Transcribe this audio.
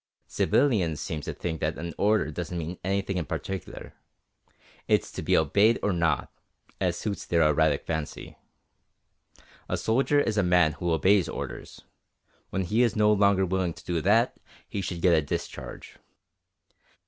Civilians seem to think that an order doesn't mean anything in particular it's to be obeyed or not, as suits their erratic fancy. A soldier is a man who obeys orders when he is no longer willing to do that he should get a discharge."